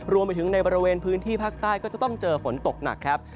รวมไปถึงในบริเวณพื้นที่ภาคใต้ก็จะต้องเจอฝนตกหนักครับ